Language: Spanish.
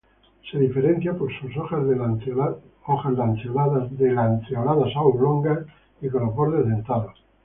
Se diferencia por sus hojas de lanceoladas a oblongas y con los bordes dentados.